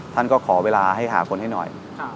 ท่านก็ขอเวลาให้หาคนให้หน่อย